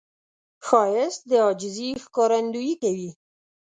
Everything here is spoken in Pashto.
ښایست د عاجزي ښکارندویي کوي